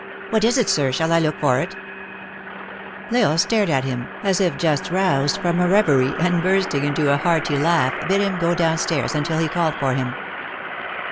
" What is it, sir, shall I look for it ?" L Isle stared at him, as if just roused from a reverie, and bursting into a hearty laugh, bid him go down stairs until he called for him.